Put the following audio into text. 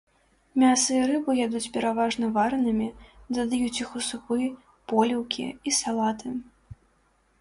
Мяса і рыбу ядуць пераважна варанымі, дадаюць іх у супы, поліўкі і салаты.